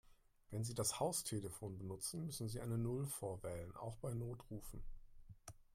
Wenn Sie das Haustelefon benutzen, müssen Sie eine Null vorwählen, auch bei Notrufen.